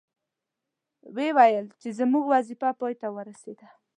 وې ویل چې زموږ وظیفه پای ته ورسیده.